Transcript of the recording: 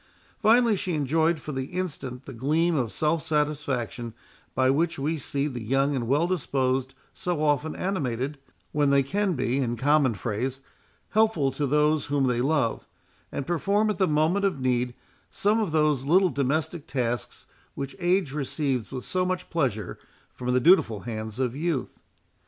Finally, she enjoyed for the instant the gleam of self satisfaction by which we see the young and well disposed so often animated, when they can be, in common phrase, helpful to those whom they love, and perform at the moment of need some of those little domestic tasks, which age receives with so much pleasure from the dutiful hands of youth.